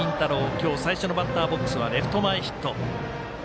今日、最初のバッターボックスはレフト前ヒット。